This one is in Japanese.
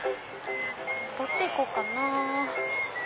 どっち行こうかな。